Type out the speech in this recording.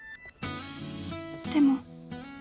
「でも」